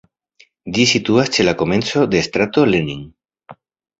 Ĝi situas ĉe la komenco de strato Lenin.